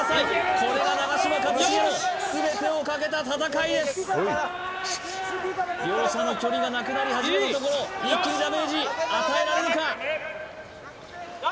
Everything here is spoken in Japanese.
これが長嶋一茂の全てをかけた戦いです！両者の距離がなくなり始めたところ一気にダメージ与えられるかやめ！